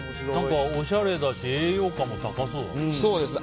何か、おしゃれだし栄養価も高そうだ。